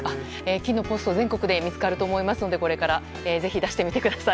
金のポストは全国で見つかると思いますのでこれからぜひ出してみてください。